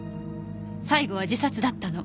最後は自殺だったの。